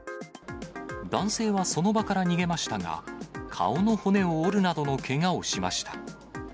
男性はその場から逃げましたが、顔の骨を折るなどのけがをしました。